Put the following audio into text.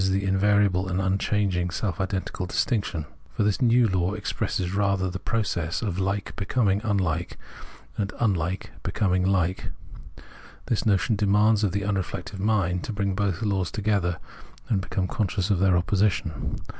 the invariable and unchanging self identical distinction ; for this new law expresses rather the process of Hke becoming unUke, and unhke becoming hke. The notion demands of the unreflective mind to bring both laws together, and become conscious of their opposition.